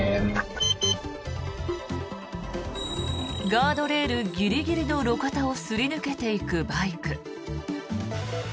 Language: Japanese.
ガードレールギリギリの路肩をすり抜けていくバイク。